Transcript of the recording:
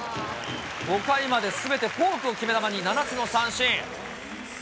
５回まですべてフォークを決め球に、７つの三振。